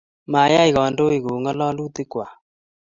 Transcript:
mayai kandoik kou ng'alolutikwak